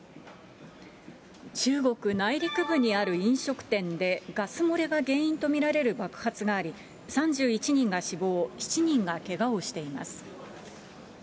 中国内陸部にある飲食店で、ガス漏れが原因と見られる爆発があり、３１人が死亡、７人がけがをしています。